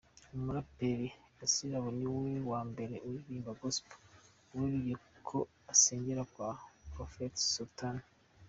Umuraperi Gasirabo ni we wa mbere uririmba Gospel weruye ko asengera kwa Prophet Sultan.